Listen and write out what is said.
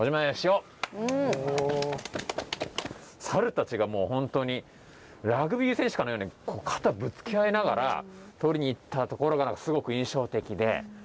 サルたちがもう本当にラグビー選手かのように肩ぶつけ合いながら取りに行ったところがすごく印象的で。